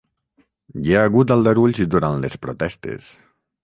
Hi ha hagut aldarulls durant les protestes